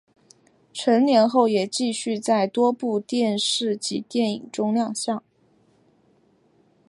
成年后也继续在多部电视及电影中亮相。